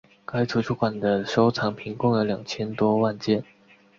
该图书馆的收藏品共有两千多万件。